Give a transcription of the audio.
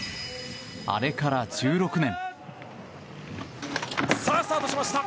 あれから１６年。